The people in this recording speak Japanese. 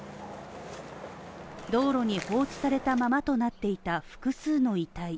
道路に放置されたままとなっていた複数の遺体。